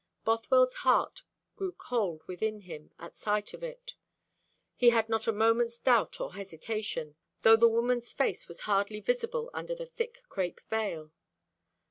Bothwell's heart grew cold within him at sight of it. He had not a moment's doubt or hesitation, though the woman's face was hardly visible under the thick crape veil.